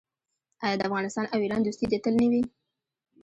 آیا د افغانستان او ایران دوستي دې تل نه وي؟